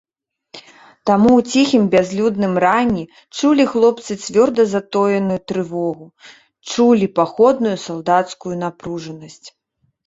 Таму ў ціхім бязлюдным ранні чулі хлопцы цвёрда затоеную трывогу, чулі паходную салдацкую напружанасць.